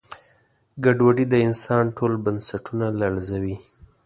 ګډوډي د انسان ټول بنسټونه لړزوي.